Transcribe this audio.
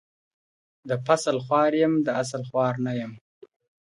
د فصل خوار يم، د اصل خوار نه يم.